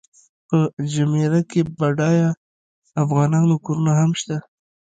په جمیره کې د بډایو افغانانو کورونه هم شته.